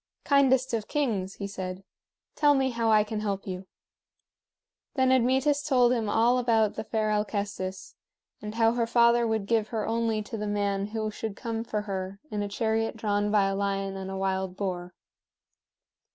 "Kindest of kings," he said, "tell me how I can help you." Then Admetus told him all about the fair Alcestis, and how her father would give her only to the man who should come for her in a chariot drawn by a lion and a wild boar.